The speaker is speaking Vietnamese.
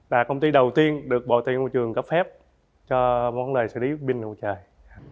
là công ty đầu tiên được bộ tư ngoại trường cấp phép cho vấn đề xử lý pin năng lượng mặt trời